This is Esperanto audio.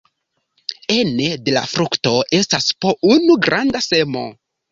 Ene de la frukto estas po unu granda semo.